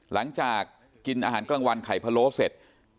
หลังจากกินอาหารกลางวันไข่พะโล้เสร็จ